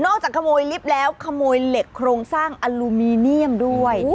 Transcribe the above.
จากขโมยลิฟต์แล้วขโมยเหล็กโครงสร้างอลูมิเนียมด้วย